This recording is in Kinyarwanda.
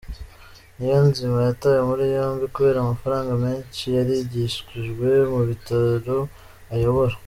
Niyonzima yatawe muri yombi kubera amafaranga menshi yarigishijwe mu bitaro ayobora.